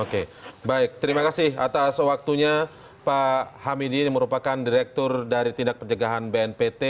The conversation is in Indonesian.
oke baik terima kasih atas waktunya pak hamidi yang merupakan direktur dari tindak pencegahan bnpt